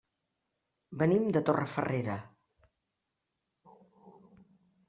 Venim de Torrefarrera.